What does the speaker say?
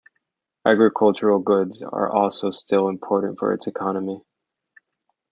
Agricultural goods are also still important for its economy.